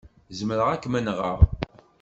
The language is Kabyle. Zemreɣ ad kem-nɣeɣ.